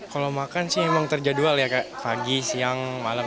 kalau makan sih emang terjadwal ya kayak pagi siang malam